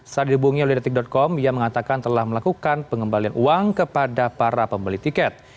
saat dihubungi oleh detik com ia mengatakan telah melakukan pengembalian uang kepada para pembeli tiket